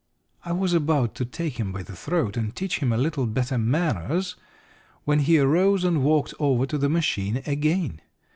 I was about to take him by the throat and teach him a little better manners when he arose and walked over to the machine again.